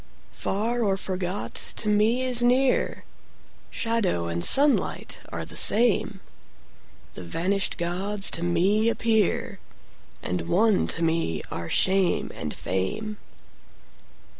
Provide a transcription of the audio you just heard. Far or forgot to me is near; Shadow and sunlight are the same; The vanished gods to me appear; And one to me are shame and fame.